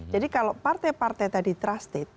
jadi kalau partai partai tadi trusted